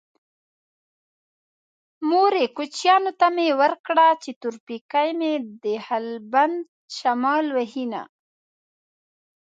مورې کوچيانو ته مې ورکړه چې تور پېکی مې د هلبند شمال وهينه